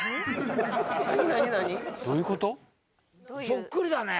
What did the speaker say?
「そっくりだね！」